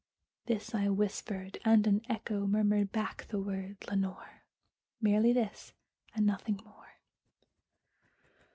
This I whispered, and an echo murmured back the word, "Lenore!" Merely this and nothing more.